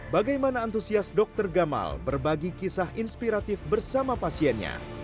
bagaimana antusias dokter gamal berbagi kisah inspiratif bersama pasiennya